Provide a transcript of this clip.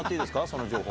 その情報。